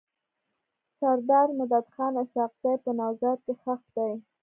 سردار مددخان اسحق زی په نوزاد کي ښخ دی.